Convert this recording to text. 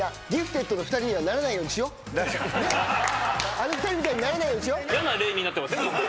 あの２人みたいにならないようにしよう。